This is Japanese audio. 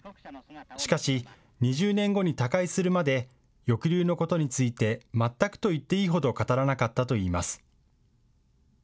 しかし、２０年後に他界するまで抑留のことについて全くといっていいほど語らなかったといいます。